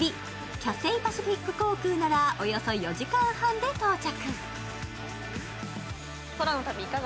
キャセイパシフィック航空ならおよそ４時間半で到着。